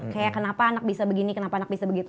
kayak kenapa anak bisa begini kenapa anak bisa begitu